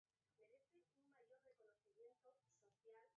Hala ere, taldea ez zen berez desegin.